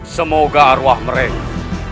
semoga arwah mereka